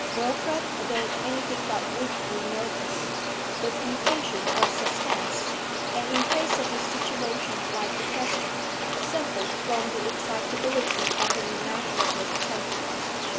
Wilfrid, though anything but weakly nervous, was impatient of suspense, and, in face of a situation like the present, suffered from the excitability of an imaginative temperament.